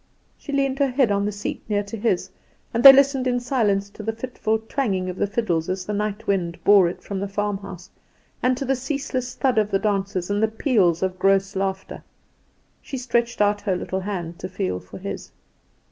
She leaned her head on the seat near to his, and they listened in silence to the fitful twanging of the fiddles as the night wind bore it from the farmhouse, and to the ceaseless thud of the dancers, and the peals of gross laughter. She stretched out her little hand to feel for his.